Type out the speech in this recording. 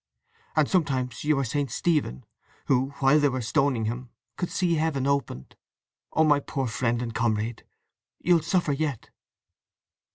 And sometimes you are St. Stephen, who, while they were stoning him, could see Heaven opened. Oh, my poor friend and comrade, you'll suffer yet!"